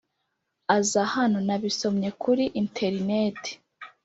aza hano” nabisomye kuri interineti